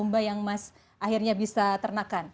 domba yang mas akhirnya bisa ternakkan